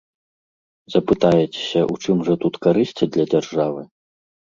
Запытаецеся, у чым жа тут карысць для дзяржавы?